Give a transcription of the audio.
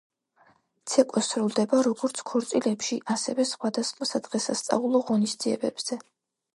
ცეკვა სრულდება, როგორც ქორწილებში ასევე სხვადასხვა სადღესასწაულო ღონისძიებებზე.